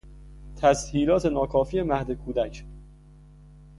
تسهیلات ناکافی مهد کودک